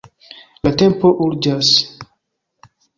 La tempo urĝas.